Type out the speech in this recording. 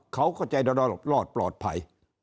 เขาก็จะรอดปลอดภัย